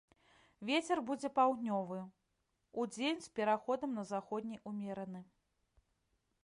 Вецер будзе паўднёвы, удзень з пераходам на заходні ўмераны.